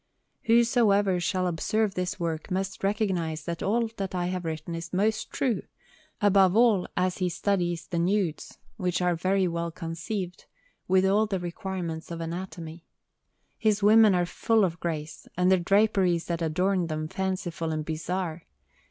Whosoever shall observe this work must recognize that all that I have written is most true, above all as he studies the nudes, which are very well conceived, with all the requirements of anatomy. His women are full of grace, and the draperies that adorn them fanciful and bizarre.